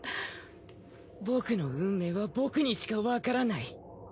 僕の運命は僕にしかわからない。